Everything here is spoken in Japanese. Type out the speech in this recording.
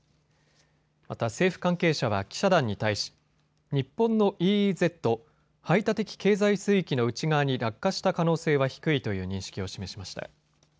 また政府関係者は記者団に対し、日本のＥＥＺ・排他的経済水域の内側に落下した可能性は低いという認識を示しました。